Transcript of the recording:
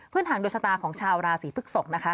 ทางดวงชะตาของชาวราศีพฤกษกนะคะ